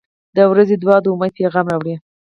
• د ورځې دعا د امید پیغام راوړي.